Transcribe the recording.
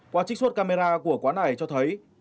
qua trích xuất camera của quán này cho thấy